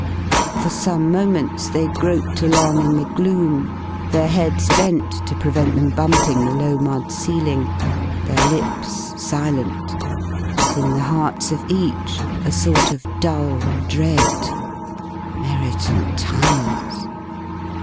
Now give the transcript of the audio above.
For some moments they groped along in the gloom, their heads bent, to prevent them bumping the low mud ceiling, their lips silent, but in the hearts of each a sort of dull dread. Merriton Towers!